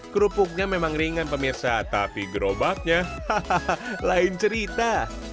kerupuknya memang ringan pemirsa tapi gerobaknya hahaha lain cerita